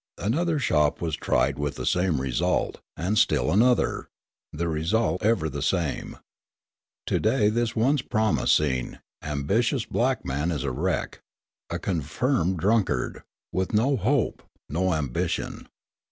Another shop was tried with the same result, and still another, the result ever the same. To day this once promising, ambitious black man is a wreck, a confirmed drunkard, with no hope, no ambition.